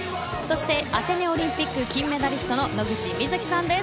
アテネオリンピック金メダリストの野口みずきさんです。